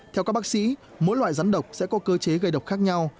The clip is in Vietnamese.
theo các bác sĩ mỗi loại rắn độc sẽ có cơ chế gây độc khác nhau